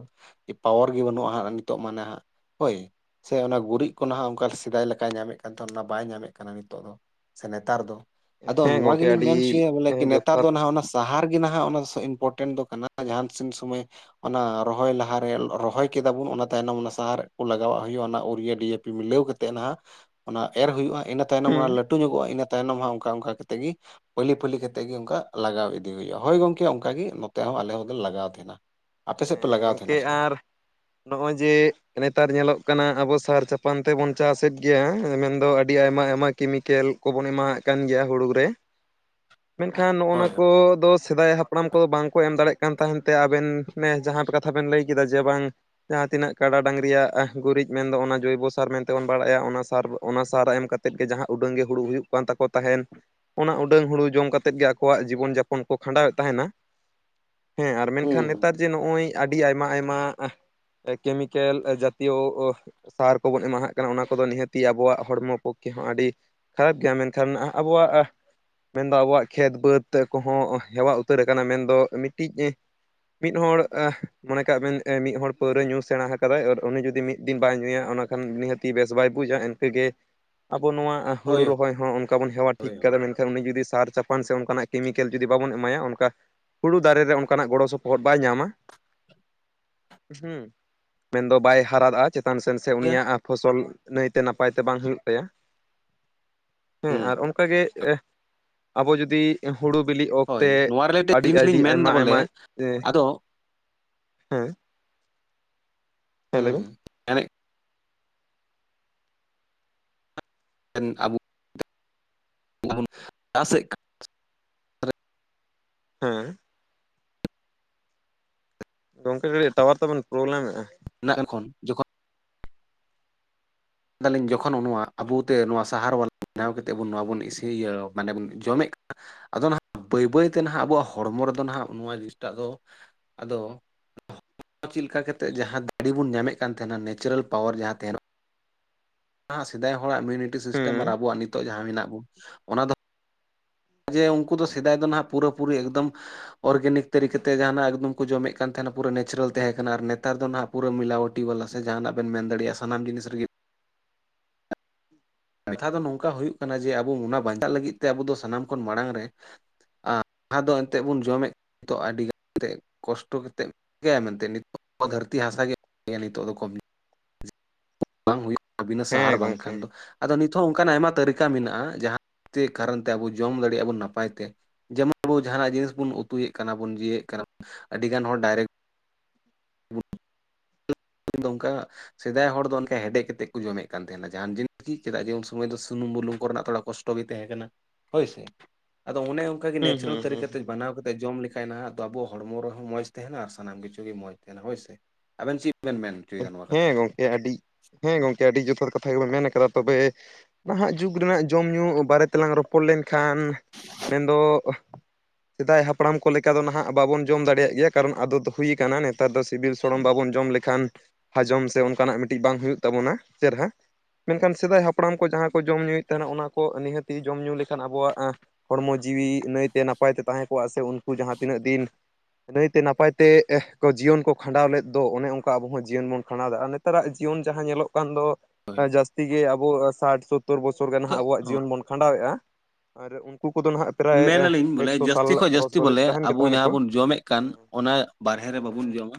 Speaker 2: ᱯᱟᱣᱟᱨ ᱜᱮ ᱵᱟᱹᱱᱩᱜᱼᱟ ᱦᱟᱸᱜ ᱱᱤᱛᱚᱜ ᱢᱟᱱᱮ ᱦᱟᱸᱜ ᱦᱳᱭ ᱥᱮ ᱚᱱᱟ ᱜᱩᱨᱤᱡ ᱠᱚ ᱱᱟᱜᱷ ᱚᱱᱠᱟ ᱥᱮᱫᱟᱭ ᱞᱮᱠᱟᱭ ᱧᱟᱢᱮᱫ ᱠᱟᱱ ᱛᱟᱸᱦᱮ ᱚᱱᱟ ᱵᱟᱭ ᱧᱟᱢᱮᱫ ᱠᱟᱱᱟ ᱱᱤᱛᱚᱜ ᱫᱚ᱾ ᱥᱮ ᱱᱮᱛᱟᱨ ᱫᱚ ᱟᱫᱚ
Speaker 1: ᱦᱮᱸ
Speaker 2: ᱱᱚᱣᱟ
Speaker 1: ᱜᱚᱝᱠᱮ
Speaker 2: ᱜᱮᱞᱤᱧ ᱢᱮᱱ
Speaker 1: ᱟᱹᱰᱤ
Speaker 2: ᱪᱚᱭᱟ ᱵᱚᱞᱮ ᱱᱮᱛᱟᱨ
Speaker 1: ᱡᱚᱛᱷᱟᱛ
Speaker 2: ᱫᱚ ᱱᱟᱦᱟᱜ ᱚᱱᱟ ᱥᱟᱦᱟᱨ ᱜᱮ ᱱᱟᱦᱟᱜ ᱚᱱᱟ ᱫᱚ ᱤᱢᱯᱚᱴᱮᱱᱴ ᱫᱚ ᱠᱟᱱᱟ ᱡᱟᱦᱟᱸ [inaudible] ᱥᱚᱢᱚᱭ ᱚᱱᱟ ᱨᱚᱦᱚᱭ ᱞᱟᱦᱟᱨᱮ ᱨᱚᱦᱚᱭ ᱠᱮᱫᱟᱵᱚᱱ ᱚᱱᱟ ᱛᱟᱭᱱᱚᱢ ᱚᱱᱟ ᱥᱟᱦᱟᱨ ᱠᱚ ᱞᱟᱜᱟᱣᱟᱜ ᱦᱩᱭᱩᱜᱼᱟ ᱚᱱᱟ ᱳᱨᱤᱭᱟᱹ ᱵᱤᱭᱟᱹᱯᱤ ᱢᱤᱞᱟᱹᱣ ᱛᱮ ᱱᱟᱦᱟᱜ ᱚᱱᱟ ᱮᱨ ᱦᱩᱭᱩᱜᱼᱟ ᱤᱱᱟᱹ ᱛᱟᱭᱱᱚᱢ ᱚᱱᱟ
Speaker 1: ᱦᱩᱸ
Speaker 2: ᱞᱟᱹᱴᱩ ᱧᱚᱜᱚᱜᱼᱟ ᱤᱱᱟᱹ ᱛᱟᱭᱱᱚᱢ ᱦᱟᱸᱜ ᱚᱱᱠᱟ ᱚᱱᱠᱟ ᱠᱟᱛᱮ ᱜᱮ᱾ ᱯᱟᱹᱞᱤ ᱯᱟᱹᱞᱤ ᱠᱟᱛᱮᱜ ᱜᱮ ᱚᱱᱠᱟ ᱞᱟᱜᱟᱣ ᱤᱫᱤ ᱦᱩᱭᱩᱜᱼᱟ ᱦᱳᱭ ᱜᱚᱝᱠᱮ ᱚᱱᱠᱟᱜ ᱜᱮ ᱱᱚᱛᱮ ᱦᱚᱸ ᱟᱞᱮ ᱦᱚᱸᱞᱮ ᱞᱟᱜᱟᱣ ᱛᱟᱦᱮᱱᱟ᱾ ᱟᱯᱮ ᱥᱮᱫ ᱯᱮ
Speaker 1: ᱦᱮᱸ
Speaker 2: ᱞᱟᱜᱟᱣ ᱛᱟᱦᱮᱱᱟ
Speaker 1: ᱜᱚᱝᱠᱮ
Speaker 2: ᱥᱮ ᱵᱟᱝ
Speaker 1: ᱟᱨ ᱱᱚᱜᱼᱚᱭ ᱡᱮ ᱱᱮᱛᱟᱨ ᱧᱮᱞᱚᱜ ᱠᱟᱱᱟ ᱟᱵᱚ ᱥᱟᱨ ᱪᱟᱯᱟᱱ ᱛᱮᱵᱚᱱ ᱪᱟᱥᱮᱫ ᱜᱮᱭᱟ ᱢᱮᱱᱫᱚ ᱟᱹᱰᱤ ᱟᱭᱢᱟ ᱟᱭᱢᱟ ᱠᱮᱢᱤᱠᱮᱞ ᱠᱚᱵᱚᱱ ᱮᱢᱟᱣᱟᱜ ᱠᱟᱱ ᱜᱮᱭᱟ ᱦᱩᱲᱩ ᱨᱮ᱾ ᱢᱮᱱᱠᱷᱟᱱ ᱱᱚᱜ ᱱᱚᱣᱟ
Speaker 2: ᱦᱳᱭ
Speaker 1: ᱠᱚᱫᱚ ᱥᱮᱫᱟᱭ ᱦᱟᱯ ᱦᱟᱯᱲᱟᱢ ᱠᱚᱫᱚ ᱵᱟᱝᱠᱚ ᱮᱢ ᱫᱟᱲᱮᱭᱟᱜ ᱠᱟᱱ ᱛᱟᱸᱦᱮᱱ ᱛᱮ ᱟᱵᱮᱱ ᱡᱟᱦᱟᱸ ᱠᱟᱛᱷᱟ ᱵᱮᱱ ᱞᱟᱹᱭ ᱠᱮᱫᱟ ᱡᱮ ᱵᱟᱝ ᱡᱟᱦᱟᱸ ᱛᱤᱱᱟᱹᱜ ᱠᱟᱰᱟ ᱰᱟᱝᱨᱤᱭᱟᱜ ᱜᱩᱨᱤᱡ ᱢᱮᱱᱫᱚ ᱚᱱᱟ ᱡᱚᱭᱵᱚ ᱥᱟᱨ ᱢᱮᱱᱛᱮᱵᱚᱱ ᱵᱟᱲᱟᱭᱟ ᱚᱱᱟ ᱥᱟᱨ ᱚᱱᱟ ᱥᱟᱨ ᱮᱢ ᱠᱟᱛᱮ ᱟᱛᱮᱫ ᱜᱮ ᱡᱟᱦᱟᱸ ᱩᱰᱟᱹᱝᱜ ᱜᱮ ᱦᱩᱲᱩ ᱦᱩᱭᱩᱜ ᱠᱟᱱ ᱛᱟᱠᱚ ᱛᱟᱦᱮᱱ ᱚᱱᱟ ᱩᱰᱟᱹᱝ ᱦᱩᱲᱩ ᱡᱚᱢ ᱠᱟᱛᱮᱫ ᱜᱮ ᱟᱠᱚᱣᱟᱜ ᱡᱤᱵᱚᱱ ᱡᱟᱯᱚᱱ ᱠᱚ ᱠᱷᱟᱸᱰᱟᱣᱮᱫ ᱛᱟᱸᱦᱮᱱᱟ᱾ ᱦᱮᱸ ᱟᱨ ᱢᱮᱱᱠᱷᱟᱱ
Speaker 2: ᱦᱩᱸ
Speaker 1: ᱱᱮᱛᱟᱨ ᱡᱮ ᱱᱚᱜᱼᱚᱭ ᱟᱹᱰᱤ ᱟᱭᱢᱟ ᱟᱭᱢᱟ ᱠᱮᱢᱤᱠᱮᱞ ᱡᱟᱛᱤᱭᱚ ᱚᱜᱼᱚ ᱾ ᱥᱟᱨ ᱠᱚᱵᱚᱱ ᱮᱢᱟᱦᱟᱜ ᱠᱟᱱᱟ ᱚᱱᱟ ᱠᱚᱫᱚ ᱱᱤᱦᱟᱹᱛᱤ ᱟᱵᱚᱣᱟᱜ ᱦᱚᱲᱢᱚ ᱯᱚᱠ ᱠᱮ ᱦᱚᱸ ᱟᱹᱰᱤ, ᱠᱷᱟᱨᱟᱯ ᱜᱮᱭᱟ ᱢᱮᱱᱠᱷᱟᱱ ᱟᱵᱚᱣᱟᱜ ᱢᱮᱱᱫᱚ ᱟᱵᱚᱣᱟᱜ ᱠᱷᱮᱛ ᱵᱟᱹᱫᱽ ᱠᱚᱦᱚᱸ ᱦᱮᱣᱟ ᱩᱛᱟᱹᱨ ᱟᱠᱟᱱᱟ ᱢᱮᱱᱫᱚ ᱢᱤᱫᱴᱤᱡ ᱢᱤᱫ ᱦᱚᱲ, ᱟᱦ ᱢᱚᱱᱮ ᱠᱟᱜ ᱵᱮᱱ ᱢᱤᱜ ᱦᱚᱲ ᱯᱟᱹᱣᱨᱟᱹ ᱧᱩ ᱥᱮᱬᱟ ᱦᱟᱠᱟᱫᱟᱭ ᱟᱨ ᱩᱱᱤ ᱡᱩᱫᱤ ᱢᱤᱜ ᱫᱤᱱ ᱵᱟᱭ ᱧᱩᱭᱟ, ᱚᱱᱟ ᱠᱷᱟᱱ ᱱᱤᱦᱟᱹᱛᱤ ᱵᱮᱹᱥ ᱵᱟᱭ ᱵᱩᱡᱟ᱾ ᱛᱮ ᱜᱮ ᱟᱵᱚ ᱱᱚᱣᱟ ᱦᱩᱲᱩ
Speaker 2: ᱦᱳᱭ
Speaker 1: ᱨᱚᱦᱚᱭ ᱦᱚᱸ ᱚᱱ [unintelligible] ᱚᱱᱠᱟ ᱵᱚᱱ ᱦᱮᱣᱟ
Speaker 2: ᱦᱳᱭ
Speaker 1: ᱴᱷᱤᱠ
Speaker 2: ᱦᱳᱭ
Speaker 1: ᱠᱟᱫᱟ ᱢᱮᱱᱠᱷᱟᱱ ᱩᱱᱤ ᱡᱩᱫᱤ ᱥᱟᱨ ᱪᱟᱯᱟᱱ ᱥᱮ ᱚᱱᱠᱟᱱᱟᱜ ᱠᱮᱢᱤᱠᱮᱞ ᱡᱩᱫᱤ ᱵᱟᱵᱚᱱ ᱮᱢᱟᱭᱟ ᱚᱱᱠᱟ ᱦᱩᱲᱩ ᱫᱟᱨᱮ ᱨᱮ ᱚᱱᱠᱟᱱᱟᱜ ᱜᱚᱲᱚ ᱥᱚᱯᱚᱦᱚᱫ ᱵᱟᱭ ᱧᱟᱢᱟ᱾ ᱦᱩᱸ, ᱢᱮᱱᱫᱚ ᱵᱟᱭ ᱦᱟᱨᱟᱫᱼᱟ ᱪᱮᱛᱟᱱ ᱥᱮᱱ ᱥᱮ
Speaker 2: ᱜᱮᱭᱟ
Speaker 1: ᱩᱱᱤᱭᱟᱜ ᱯᱷᱚᱥᱚᱞ ᱱᱟᱹᱭᱛᱮ ᱱᱟᱯᱟᱭ ᱛᱮ ᱵᱟᱝ ᱦᱩᱭᱩᱜ ᱛᱟᱭᱟ, ᱦᱮᱸ
Speaker 2: ᱦᱩᱸ
Speaker 1: ᱟᱨ ᱚᱱᱠᱟᱜᱮ ᱮᱜ ᱟᱵᱚ ᱡᱩᱫᱤ ᱦᱩᱲᱩ ᱵᱤᱞᱤᱜ
Speaker 2: ᱦᱳᱭ
Speaker 1: ᱚᱠᱛᱮ
Speaker 2: ᱱᱚᱣᱟ ᱨᱤᱞᱮᱴᱮᱰ
Speaker 1: ᱟᱹᱰᱤ
Speaker 2: ᱡᱤᱱᱤᱥ ᱞᱤᱧ
Speaker 1: ᱟᱹᱰᱤ
Speaker 2: ᱢᱮᱱᱫᱟ
Speaker 1: ᱟᱭᱢᱟ
Speaker 2: ᱵᱚᱞᱮ
Speaker 1: ᱟᱭᱢᱟ [unintelligible]
Speaker 2: ᱟᱫᱚ
Speaker 1: ᱦᱮᱸ᱾ ᱦᱮᱸ ᱞᱟᱹᱭ ᱵᱤᱱ
Speaker 2: ᱦᱩᱸ, ᱮᱱᱮᱜ [unintelligible] ᱟᱵᱩ [unintelligible] ᱪᱟᱥᱮᱜ [unintelligible]
Speaker 1: ᱦᱮᱸ᱾ ᱜᱚᱝᱠᱮ ᱠᱟᱹᱴᱤᱜ ᱴᱟᱣᱟᱨ ᱛᱟᱵᱮᱱ ᱯᱨᱚᱵᱞᱮᱢᱮᱜᱼᱟ ᱾
Speaker 2: [unintelligible] ᱡᱚᱠᱷᱚᱱ [unintelligible] ᱫᱟᱞᱤᱧ ᱡᱚᱠᱷᱚᱱ ᱱᱚᱣᱟ ᱟᱵᱩᱛᱮ ᱱᱚᱣᱟ ᱥᱟᱦᱟᱨ ᱵᱟᱞᱟ ᱵᱮᱱᱟᱣ ᱠᱟᱛᱮᱜ ᱱᱚᱣᱟ ᱵᱚᱱ ᱤᱥᱤ ᱤᱭᱟᱹ ᱢᱟᱱᱮ ᱵᱚᱱ ᱡᱚᱢᱮᱜ ᱠᱟᱱᱟ ᱟᱫᱚ ᱱᱷᱟᱜ ᱵᱟᱹᱭ ᱵᱟᱹᱭ ᱛᱮ ᱱᱷᱟᱜ ᱟᱵᱚᱣᱟᱜ ᱦᱚᱲᱢᱚ ᱨᱮᱫᱚ ᱦᱟᱸᱜ ᱱᱚᱣᱟ ᱡᱤᱱᱤᱥ ᱴᱟᱜ ᱫᱚ ᱟᱫᱚ ᱪᱤᱜ ᱞᱮᱠᱟ ᱠᱟᱛᱮᱜ ᱡᱟᱦᱟᱸ ᱫᱟᱲᱮ ᱵᱚᱱ ᱧᱟᱢᱮᱜ ᱠᱟᱱ ᱛᱟᱦᱮᱱᱟ ᱱᱮᱪᱨᱟᱞ ᱯᱟᱣᱟᱨ ᱡᱟᱦᱟᱸ ᱛᱟᱦᱮᱸᱱᱟ ᱥᱮᱫᱟᱭ ᱦᱚᱲᱟᱜ ᱤᱢᱤᱱᱤᱴᱤ ᱥᱤᱥᱴᱮᱢ ᱟᱨ
Speaker 1: ᱦᱩᱸ
Speaker 2: ᱟᱵᱚᱣᱟᱜ ᱱᱤᱛᱚᱜ ᱡᱟᱦᱟᱸ ᱢᱮᱱᱟᱜ ᱵᱚᱱ ᱚᱱᱟ ᱫᱚ ᱡᱮ ᱩᱱᱠᱩ ᱫᱚ ᱥᱮᱫᱟᱭ ᱫᱚ ᱦᱟᱸᱜ ᱯᱩᱨᱟᱹᱯᱩᱨᱤ ᱮᱠᱫᱚᱢ ᱚᱨᱜᱮᱱᱤᱠ ᱛᱟᱹᱨᱤᱠᱟ ᱛᱮ ᱡᱟᱦᱟᱸᱱᱟᱜ ᱮᱠᱫᱚᱢ ᱠᱚ ᱡᱚᱢᱮᱜ ᱠᱟᱱ ᱛᱟᱦᱮᱸᱱᱟ ᱯᱩᱨᱟᱹ ᱱᱮᱪᱨᱮᱞ ᱛᱟᱦᱮᱸᱱᱟ ᱠᱟᱱᱟ ᱟᱨ ᱱᱮᱛᱟᱨ ᱫᱚ ᱦᱟᱸᱜ ᱯᱩᱨᱟᱹ ᱢᱤᱞᱟᱣᱴᱤ ᱵᱟᱞᱟ ᱥᱮ ᱡᱟᱦᱟᱸᱱᱟᱜ ᱵᱮᱱ ᱢᱮᱱ ᱫᱟᱲᱮᱭᱟᱜᱼᱟ ᱥᱟᱱᱟᱢ ᱡᱤᱱᱤᱥ ᱨᱮᱜᱮ ᱠᱟᱛᱷᱟ ᱫᱚ ᱱᱚᱝᱠᱟ ᱦᱩᱭᱩᱜ ᱠᱟᱱᱟ ᱡᱮ ᱟᱵᱚ ᱚᱱᱟ ᱵᱟᱧᱪᱟᱜ ᱞᱟᱹᱜᱤᱫ ᱛᱮ ᱟᱵᱚ ᱥᱟᱱᱟᱢ ᱠᱷᱚᱱ ᱢᱟᱲᱟᱝ ᱨᱮ [unintelligible] ᱮᱱᱛᱮᱜ ᱵᱚᱱ ᱡᱚᱢᱮᱜ ᱠᱟᱱ ᱱᱤᱛᱚᱜ ᱫᱚ ᱟᱹᱰᱤᱜᱟᱱ ᱛᱮ ᱠᱚᱥᱴᱚ ᱠᱟᱛᱮᱜ ᱪᱤᱠᱟᱹᱭᱟ ᱢᱮᱱᱛᱮᱜ ᱱᱤᱛᱚᱜ ᱫᱷᱟᱹᱨᱛᱤ ᱦᱟᱥᱟ ᱜᱮ ᱱᱤᱛᱚᱜ ᱫᱚ ᱠᱚᱢ ᱵᱟᱝ ᱦᱩᱭᱩᱜᱼᱟ [unintelligible]
Speaker 1: ᱦᱮᱸ
Speaker 2: ᱥᱟᱦᱟᱨ
Speaker 1: ᱜᱚᱝᱠᱮ
Speaker 2: ᱵᱟᱝᱠᱷᱟᱱ ᱫᱚ ᱾ ᱟᱫᱚ ᱱᱤᱛ ᱦᱚᱸ ᱚᱱᱠᱟᱱᱟᱜ ᱟᱭᱢᱟ ᱛᱟᱹᱨᱤᱠᱟ ᱢᱮᱱᱟᱜᱼᱟ [unintelligible] ᱠᱟᱨᱚᱱ ᱛᱮ ᱟᱵᱚ ᱡᱚᱢ ᱫᱟᱲᱤᱭᱟᱜᱼᱟ ᱵᱚᱱ ᱱᱟᱯᱟᱭ ᱛᱮ ᱾ ᱡᱮᱢᱚᱱ ᱟᱵᱚ ᱡᱟᱦᱟᱸᱱᱟᱜ ᱡᱤᱱᱤᱥ ᱵᱚᱱ ᱩᱛᱩᱭᱮᱜ ᱠᱟᱱᱟ ᱵᱚᱱ [unintelligible] ᱠᱟᱱᱟ ᱟᱹᱰᱤ ᱜᱟᱱ ᱦᱚᱲ ᱰᱟᱭᱨᱮᱠᱴ [unintelligible] [unintelligible] ᱥᱮᱫᱟᱭ ᱦᱚᱲ ᱫᱚ ᱚᱱᱠᱟ ᱦᱮᱰᱮᱜ ᱠᱟᱛᱮᱜ ᱠᱚ ᱡᱚᱢᱮᱜ ᱠᱟᱱ ᱛᱟᱦᱮᱸᱱᱟ ᱡᱟᱦᱟᱸᱱ ᱡᱤᱱᱤᱥ ᱪᱮᱜ ᱪᱮᱫᱟᱜ ᱡᱮ ᱩᱱ ᱥᱚᱢᱚᱭ ᱫᱚ ᱥᱩᱱᱩᱢ ᱵᱩᱞᱩᱝ ᱠᱚᱨᱮᱱᱟᱜ ᱛᱷᱚᱲᱟ ᱠᱚᱥ [unintelligible] ᱛᱟᱦᱮᱸ ᱠᱟᱱᱟ ᱦᱳᱭᱥᱮ ᱟᱫᱚ ᱚᱱᱮ ᱚᱱᱠᱟ ᱜᱮ
Speaker 1: ᱦᱩᱸ
Speaker 2: ᱱᱮᱪᱨᱮᱞ
Speaker 1: ᱦᱩᱸ ᱦᱩᱸ
Speaker 2: ᱛᱟᱹᱨᱤᱠᱟ ᱛᱮ ᱵᱮᱱᱟᱣ ᱠᱟᱛᱮᱜ ᱡᱚᱢ ᱞᱮᱠᱷᱟᱡ ᱱᱷᱟᱜ ᱟᱵᱚ ᱦᱚᱲᱢᱚ ᱨᱮᱦᱚᱸ ᱢᱚᱸᱡᱽ ᱛᱟᱦᱮᱸᱱᱟ ᱟᱨ ᱥᱟᱱᱟᱢ ᱠᱤᱪᱷᱩ ᱜᱮ ᱢᱚᱸᱡᱽ ᱛᱟᱦᱮᱸᱱᱟ ᱦᱳᱭᱥᱮ᱾ ᱟᱵᱮᱱ ᱪᱮᱜ ᱵᱮᱱ ᱢᱮᱱ? ᱦᱚᱪᱚᱭᱮᱫᱟ ᱱᱚᱣᱟ ᱠᱟᱛᱷᱟ
Speaker 1: ᱦᱮᱸ ᱜᱚᱢᱠᱮ ᱟᱹᱰᱤ ᱦᱮᱸ ᱜᱚᱢᱠᱮ ᱟᱹᱰᱤ ᱡᱚᱛᱷᱟᱛ ᱠᱟᱛᱷᱟ ᱜᱮᱵᱮᱱ ᱢᱮᱱ ᱟᱠᱟᱫᱟ ᱛᱚᱵᱮ ᱱᱟᱦᱟᱜ ᱡᱩᱜᱽ ᱨᱮᱱᱟᱜ ᱡᱚᱢ ᱧᱩ ᱵᱟᱨᱮ ᱛᱮᱞᱟᱝ ᱨᱚᱯᱚᱲ ᱞᱮᱱᱠᱷᱟᱱ, ᱢᱮᱱᱫᱚ ᱥᱮᱫᱟᱭ ᱦᱟᱯᱲᱟᱢ ᱠᱚ ᱞᱮᱠᱟ ᱫᱚ ᱱᱷᱟᱜ ᱵᱟᱵᱚᱱ ᱡᱚᱢ ᱫᱟᱲᱮᱭᱟᱜ ᱜᱮᱭᱟ, ᱠᱟᱨᱚᱱ ᱟᱫᱚᱛ ᱦᱩᱭᱟᱠᱟᱱᱟ ᱱᱮᱛ [unintelligible] ᱛᱟᱨ ᱫᱚ ᱥᱤᱵᱤᱞ ᱥᱚᱲᱚᱢ ᱵᱟᱵᱚᱱ ᱡᱚᱢ ᱞᱮᱠᱷᱟᱱ ᱦᱟᱡᱚᱢ ᱥᱮ ᱚᱱᱠᱟᱱᱟᱜ ᱢᱤᱫᱴᱤᱡ ᱵᱟᱝ ᱦᱩᱭᱩᱜ ᱛᱟᱵᱚᱱᱟ ᱪᱮᱨᱦᱟ᱾ ᱢᱮᱱᱠᱷᱟᱱ ᱥᱮᱫᱟᱭ ᱦᱟᱯᱲᱟᱢ ᱠᱚ ᱡᱟᱦᱟᱸ ᱠᱚ ᱡᱚᱢ ᱧᱩᱭᱮᱜ ᱛᱟᱦᱮᱸᱱᱟ ᱚᱱᱟ ᱠᱚ ᱱᱤᱦᱟᱹᱛᱤ ᱡᱚᱢᱼᱧᱩ ᱞᱮᱠᱷᱟᱱ ᱟᱵᱚᱣᱟᱜ ᱟᱸ ᱦᱚᱲᱢᱚ ᱡᱤᱣᱤ ᱱᱟᱹᱭᱛᱮ ᱱᱟᱯᱟᱭ ᱛᱮ ᱛᱟᱦᱮᱸ ᱠᱚᱜᱼᱟ ᱥᱮ ᱩᱱᱠᱩ ᱡᱟᱦᱟᱸ ᱛᱤᱱᱟᱹᱜ ᱫᱤᱱ ᱱᱟᱹᱭᱛᱮ ᱱᱟᱯᱟᱭ ᱛᱮ ᱡᱤᱭᱚᱱ ᱠᱚ ᱠᱷᱟᱸᱰᱟᱣ ᱞᱮᱫ ᱫᱚ ᱚᱱᱮ ᱚᱱᱠᱟ ᱟᱵᱚ ᱦᱚᱸ ᱡᱤᱭᱚᱱ ᱵᱚᱱ ᱠᱷᱟᱸᱰᱟᱣ ᱫᱟ ᱱᱮᱛᱟᱨᱟᱜ ᱡᱤᱭᱚᱱ ᱡᱟᱦᱟᱸ ᱧᱮᱞᱚᱜ ᱠᱟᱱ ᱫᱚ
Speaker 2: ᱦᱳᱭ
Speaker 1: ᱡᱟᱹᱥᱛᱤ ᱜᱮ ᱟᱵᱚ ᱥᱟᱴ [unintelligible] ᱛᱳᱨ ᱵᱚᱥᱚᱨ ᱜᱮ ᱦᱟᱸᱜ ᱟᱵᱚᱣᱟᱜ ᱡᱤᱭᱚᱱ ᱵᱚᱱ ᱠᱷᱟᱸᱰᱟᱣᱮᱜᱼᱟ ᱟᱨ ᱩᱱᱠᱩ ᱠᱚᱫᱚ ᱦᱟᱸᱜ
Speaker 2: ᱢᱮᱱ ᱟᱹᱞᱤᱧ ᱵᱚᱞᱮ ᱡᱟᱹᱥᱛᱤ ᱠᱷᱚᱱ ᱡᱟᱹᱥᱛᱤ ᱵᱚᱞᱮ
Speaker 1: ᱛᱟᱦᱮᱱ ᱜᱮ
Speaker 2: ᱟᱵᱚ
Speaker 1: ᱛᱟᱦᱮᱱᱟᱠᱚ
Speaker 2: ᱡᱟᱦᱟᱸ ᱵᱚᱱ ᱡᱚᱢᱮ ᱠᱟᱱ
Speaker 1: ᱦᱮᱸ ᱦᱮᱸ
Speaker 2: ᱚᱱᱟ ᱵᱟᱨᱦᱮ
Speaker 1: ᱦᱮᱸ
Speaker 2: ᱨᱮ
Speaker 1: ᱦᱮᱸ
Speaker 2: ᱵᱟᱵᱩᱱ ᱡᱚᱢᱟ᱾